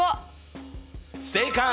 正解！